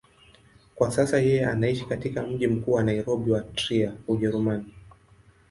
Kwa sasa yeye anaishi katika mji mkuu wa Nairobi na Trier, Ujerumani.